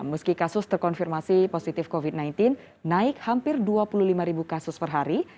meski kasus terkonfirmasi positif covid sembilan belas naik hampir dua puluh lima ribu kasus per hari